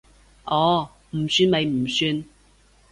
哦，唔算咪唔算